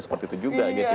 seperti itu juga gitu ya